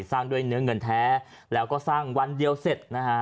สร้างด้วยเนื้อเงินแท้แล้วก็สร้างวันเดียวเสร็จนะฮะ